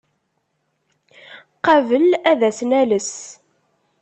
Qabel ad as-nales.